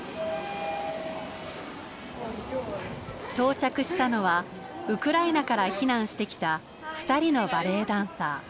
到着したのはウクライナから避難してきた二人のバレエダンサー。